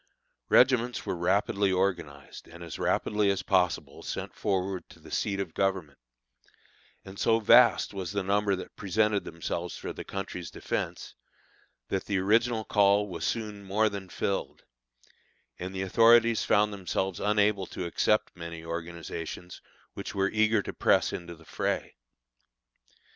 Regiments were rapidly organized and as rapidly as possible sent forward to the seat of Government; and so vast was the number that presented themselves for their country's defence, that the original call was soon more than filled, and the authorities found themselves unable to accept many organizations which were eager to press into the fray.